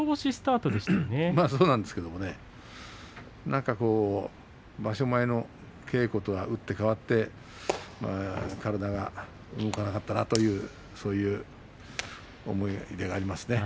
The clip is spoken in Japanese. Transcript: そうなんですけれど場所前の稽古とは打って変わって体が動かなかったなというそういう思い出がありますね。